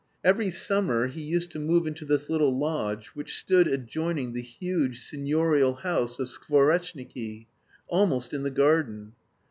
Every summer he used to move into this little lodge which stood adjoining the huge seignorial house of Skvoreshniki, almost in the garden.